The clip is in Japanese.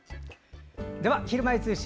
では、「ひるまえ通信」